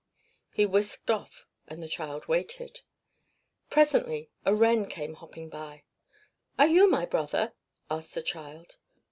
He whisked off, and the child waited. Presently a wren came hopping by. "Are you my brother?" asked the child.